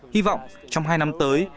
hy vọng trong hai năm tới